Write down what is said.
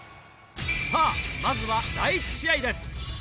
さぁまずは第１試合です。